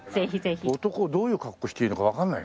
男どういう格好していいのかわかんないな。